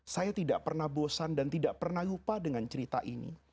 saya tidak pernah bosan dan tidak pernah lupa dengan cerita ini